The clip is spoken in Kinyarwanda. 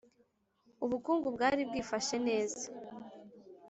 ubukungu bwari bwifashe neza,